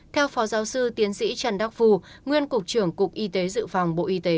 theo phó giáo sư tiến sĩ trần đắc phu nguyên cục trưởng cục y tế dự phòng bộ y tế